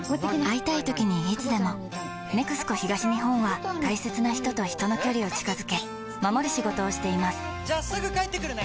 会いたいときにいつでも「ＮＥＸＣＯ東日本」は大切な人と人の距離を近づけ守る仕事をしていますじゃあすぐ帰ってくるね！